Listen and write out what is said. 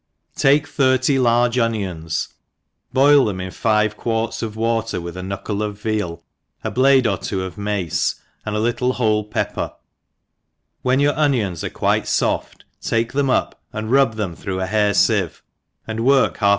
TAKE thirty large onions, boil them in five quarts of water with a knuckle of vea}, a blade or two of mace, and 4 little whole pepper j; whea your onions are quite fof( take them up, and rub them through a hair fifve* ajjd work half